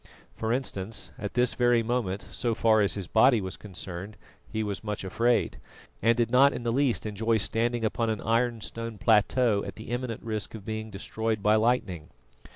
For instance, at this very moment, so far as his body was concerned, he was much afraid, and did not in the least enjoy standing upon an ironstone plateau at the imminent risk of being destroyed by lightning.